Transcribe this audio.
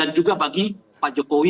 dan juga bagi pak jokowi